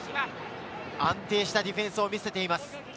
安定したディフェンスを見せています。